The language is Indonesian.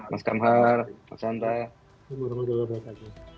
mas kam har mas hanta